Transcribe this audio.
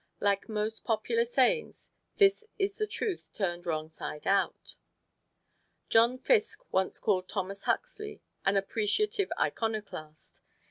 Like most popular sayings this is truth turned wrong side out. John Fiske once called Thomas Huxley an "appreciative iconoclast."